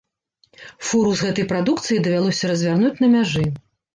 Фуру з гэтай прадукцыяй давялося развярнуць на мяжы.